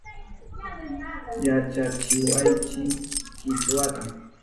Yachachiwaychi Kichwata